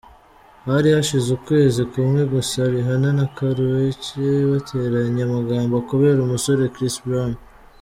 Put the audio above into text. Hari hashize ukwezi kumwe gusa Rihanna na Karrueche bateranye amagambo kubera umusore Chris Brown.